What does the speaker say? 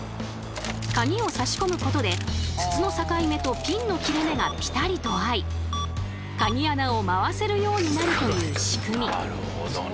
カギを差し込むことで筒の境目とピンの切れ目がピタリと合いカギ穴を回せるようになるという仕組み。